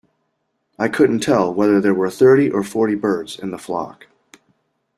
I couldn't tell whether there were thirty or forty birds in the flock